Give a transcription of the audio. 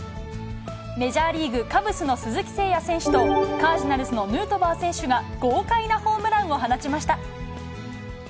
メジャーリーグ・カブスの鈴木誠也選手と、カージナルスのヌートバー選手が豪快なホームランを放ちました。